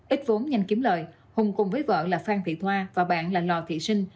ít vốn nhanh kiếm lời hùng cùng với vợ là phan thị thoa và bạn là lò thị sinh